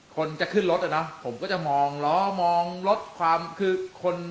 คนจะขึ้นรถอ่ะเนอะผมก็จะมองล้อมองรถความคือคน